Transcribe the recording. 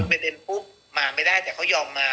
ประเด็นปุ๊บมาไม่ได้แต่เขายอมมา